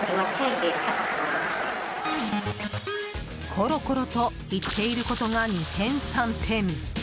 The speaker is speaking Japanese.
コロコロと言っていることが二転三転。